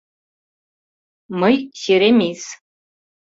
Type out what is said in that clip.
— Мый — черемис...